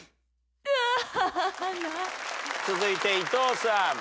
「アナ」続いて伊藤さん。